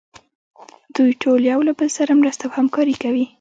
دوی ټول یو له بل سره مرسته او همکاري کوي.